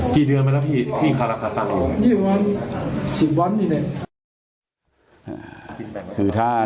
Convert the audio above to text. พี่เดินแล้วใช่จิ้นว้างที่วันอีก